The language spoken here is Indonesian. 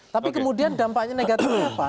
tapi kemudian dampaknya negatifnya apa